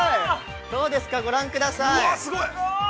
◆どうですか、ご覧ください。